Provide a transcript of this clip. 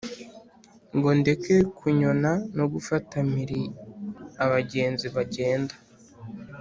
ngo ndeke kunyona no gufata mpiri abagenzi bagenda